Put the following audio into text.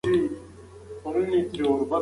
هلک د انا پړونی په خپلو وړو منگولو کې نیولی و.